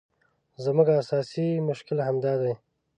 زموږ اساسي مشکل همدا دی.